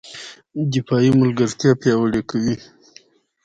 دفاعي ملګرتیا پیاوړې کړي